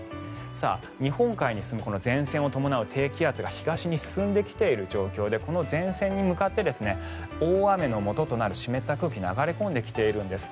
日本海に進むこの前線を伴う低気圧が東に進んできている状況でこの前線に向かって大雨のもととなる湿った空気が流れ込んできているんです。